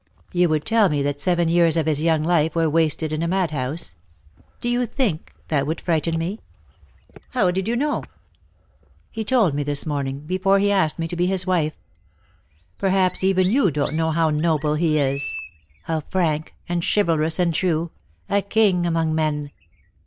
"You would tell me that seven years of his young life were wasted in a mad house. Do you think that would frighten me?" :.;. "How did you know?" "He told me this morning, before he asked me to be his wife. Perhaps even you don't know how noble he is — how frank, and chivalrous, and true — a king among men.